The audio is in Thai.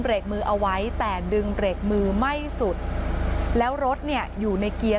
มือเอาไว้แต่ดึงเบรกมือไม่สุดแล้วรถเนี่ยอยู่ในเกียร์